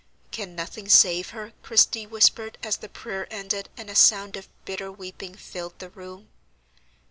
"Can nothing save her?" Christie whispered, as the prayer ended, and a sound of bitter weeping filled the room.